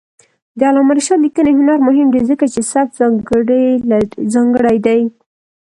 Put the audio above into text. د علامه رشاد لیکنی هنر مهم دی ځکه چې سبک ځانګړی دی.